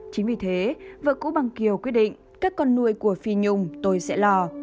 chính vì thế vợ cũ bằng kiều quyết định các con nuôi của phi nhung tôi sẽ lo